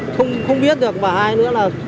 không biết được mà ai nữa là